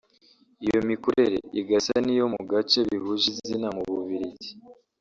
iyo mikorere igasa n’iyo mu gace bihuje izina mu Bubiligi